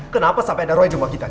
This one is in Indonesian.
kenapa sampai ada roy di rumah kita